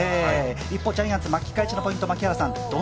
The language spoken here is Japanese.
一方、ジャイアンツ、巻き返しのポイントは？